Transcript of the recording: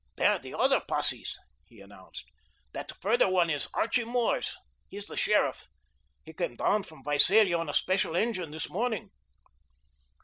"There're the other posses," he announced. "That further one is Archie Moore's. He's the sheriff. He came down from Visalia on a special engine this morning."